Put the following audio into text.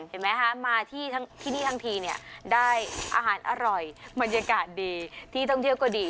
เห็นมั้ยฮะมาที่ที่นี่ทางทีเนี่ยได้อาหารอร่อยมันยาก่อนดีทีท่องเที่ยวก็ดี